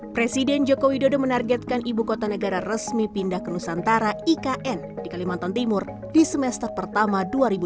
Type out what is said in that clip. presiden joko widodo menargetkan ibu kota negara resmi pindah ke nusantara ikn di kalimantan timur di semester pertama dua ribu dua puluh